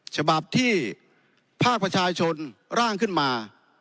ฉบับที่ภาคประชาชนร่างขึ้นมา